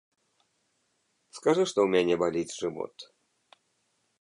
Скажы, што ў мяне баліць жывот.